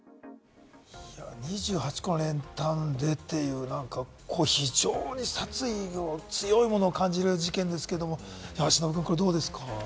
２８個の練炭でっていう、非常に殺意の強いものを感じる事件ですけれど、忍君どうですか？